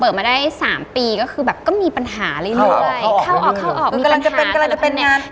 เปิดมาได้๓ปีก็คือแบบก็มีปัญหาเรื่อยเข้าออกมีปัญหามี